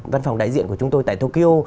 văn phòng đại diện của chúng tôi tại tokyo